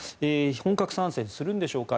本格参戦するのでしょうか。